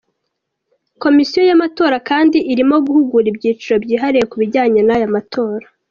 Komisiyo y’Amatora kandi irimo guhugura ibyiciro byihariye ku bijyanye n’aya matora.